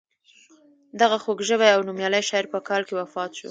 دغه خوږ ژبی او نومیالی شاعر په کال کې وفات شو.